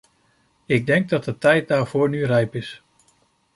Ik denk dat de tijd daarvoor nu rijp is.